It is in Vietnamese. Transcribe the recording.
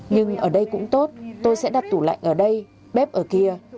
nhưng ở đây cũng tốt tôi sẽ đặt tủ lạnh ở đây bếp ở kia